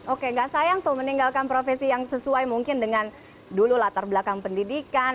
oke gak sayang tuh meninggalkan profesi yang sesuai mungkin dengan dulu latar belakang pendidikan